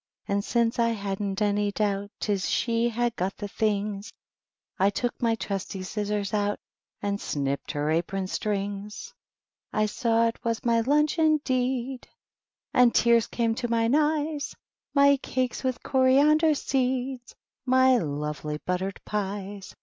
And since I hadnH any doubt ^Twas she had got the things^ I took my trusty scissors out And snipped her apron strings. I saw it was my lunch, indeed ! And tears came to mine eyes; My calces with coriander seed. My lovely buttered pies